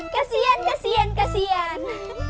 kasian kasian kasian